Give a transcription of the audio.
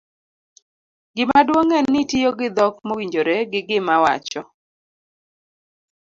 gimaduong' en ni itiyo gi dhok mowinjore gi gima wacho